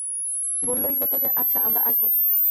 বললই হত যে আচ্ছা আমরা আসবো!